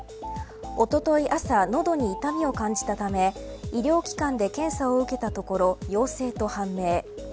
おととい朝喉に痛みを感じたため医療機関で検査を受けたところ陽性と判明。